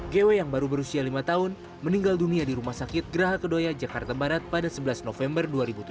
gw yang baru berusia lima tahun meninggal dunia di rumah sakit geraha kedoya jakarta barat pada sebelas november dua ribu tujuh belas